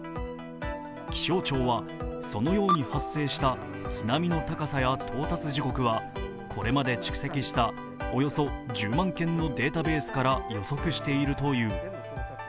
気象庁は、そのように発生した津波の高さや到達時刻は、これまで蓄積したおよそ１０万件のデータベースから予測しているという。